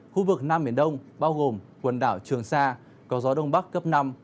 khu vực nam biển đông bao gồm quần đảo trường sa có gió đông bắc cấp năm